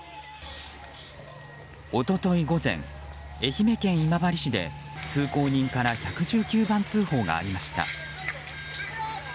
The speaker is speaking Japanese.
一昨日午前、愛媛県今治市で通行人から１１９番通報がありました。